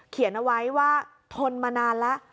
เขียนเอาไว้ว่าทนมานานแล้ว